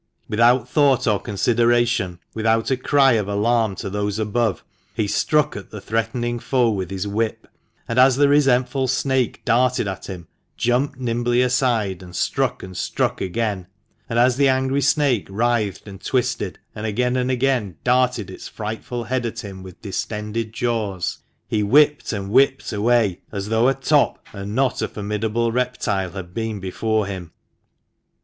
Without thought or consideration — without a cry of alarm to those above, he struck at the threatening foe with his whip ; and as the resentful snake darted at him, jumped nimbly aside, and struck and struck again ; and as the angry snake writhed and twisted, and again and again darted its frightful head at him with distended jaws, he whipped and whipped away as though a top and not a formidable reptile had been before him.